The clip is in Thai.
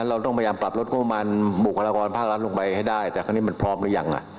นะฮะเราต้องพยายามปรับรถโมมันบุคลากรพรรดิลงไปให้ได้แต่ครั้งนี้มันพร้อมหรือยังอ่ะ